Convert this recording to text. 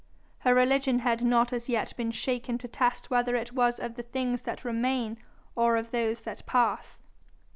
Her religion had not as yet been shaken, to test whether it was of the things that remain or of those that pass.